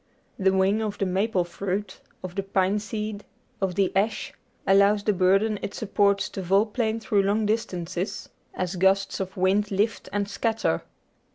The wing of the maple fruit, of the pine seed, of the ash, allows the burden it supports to volplane through long distances 636 The Outline of Science as gusts of wind lift and scatter.